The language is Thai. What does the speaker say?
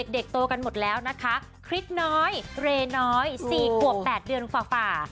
เด็กโตกันหมดแล้วนะคะคริสน้อยเรน้อยสี่ขัวแปดเดือนฝ่า